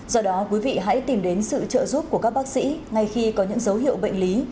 do đó quý vị hãy tìm đến sự trợ giúp của các bác sĩ ngay khi có những dấu hiệu bệnh lý